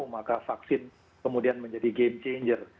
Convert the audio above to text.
maka vaksin kemudian menjadi game changer